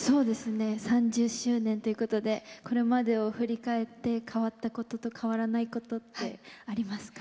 ３０周年ということでこれまでを振り返って変わったことと変わらないことありますか？